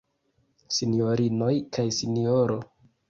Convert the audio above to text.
Sinjorinoj kaj Sinjoro.